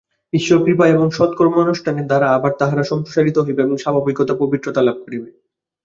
ঈশ্বর-কৃপায় এবং সৎকর্মানুষ্ঠানের দ্বারা আবার তাহারা সম্প্রসারিত হইবে এবং স্বাভাবিক পবিত্রতা লাভ করিবে।